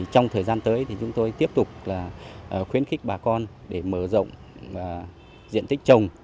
trong thời gian tới chúng tôi tiếp tục khuyến khích bà con để mở rộng diện tích trồng